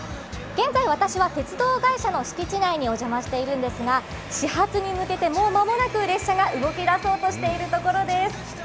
現在、私は鉄道会社の敷地内にお邪魔しているんですが始発に向けて、もう間もなく列車が動き出そうとしているところです。